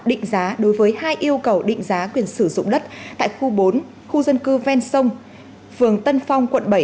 hội đồng định giá đối với hai yêu cầu định giá quyền sử dụng đất tại khu bốn khu dân cư ven song phường tân phong quận bảy